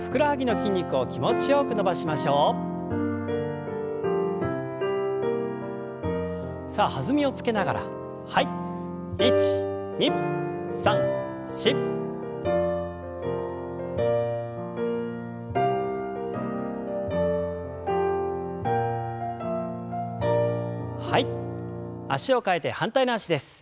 脚を替えて反対の脚です。